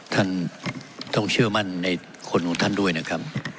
ท่านต้องเชื่อมั่นในคนของท่านด้วยนะครับ